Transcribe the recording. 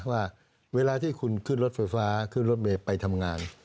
ว่าเวลาที่คุณขึ้นรถไฟฟ้าขึ้นรถเมย์ไปทำงาน